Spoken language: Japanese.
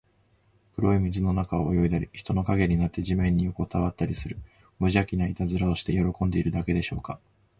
黒い水の中を泳いだり、人の影になって地面によこたわったりする、むじゃきないたずらをして喜んでいるだけでしょうか。